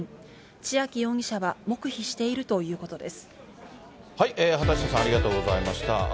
千秋容疑者は黙秘しているということです。